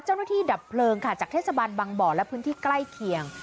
ดับเพลิงค่ะจากเทศบาลบังบ่อและพื้นที่ใกล้เคียง